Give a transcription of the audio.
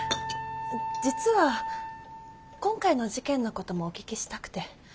実は今回の事件のこともお聞きしたくて。